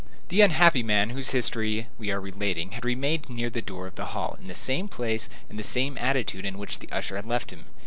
The unhappy man whose history we are relating had remained near the door of the hall, in the same place and the same attitude in which the usher had left him.